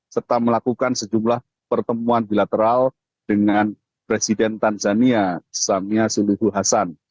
serta melakukan sejumlah pertemuan bilateral dengan presiden tanzania samya suluhu hasan